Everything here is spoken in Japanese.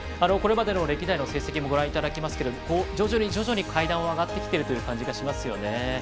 これまでの歴代の成績もご覧いただきますが徐々に徐々に階段を上がってきているという感じがしますね。